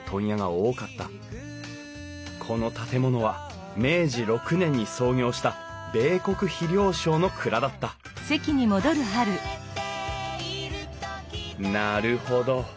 この建物は明治６年に創業した米穀肥料商の蔵だったなるほど。